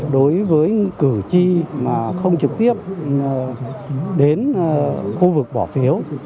đối với cử tri mà không trực tiếp đến khu vực bỏ phiếu